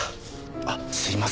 あっすいません。